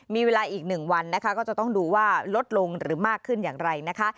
มีเวลาอีก๑วันนะคะก็จะต้องดูว่าลดลงหรือมากขึ้นอย่างไรนะคะ